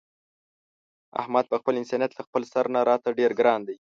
احمد په خپل انسانیت له خپل سر نه راته ډېر ګران دی.